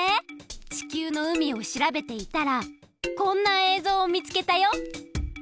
地球の海を調べていたらこんなえいぞうをみつけたよ。